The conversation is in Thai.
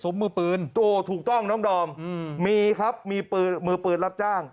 มือปืนโอ้ถูกต้องน้องดอมอืมมีครับมีปืนมือปืนรับจ้าง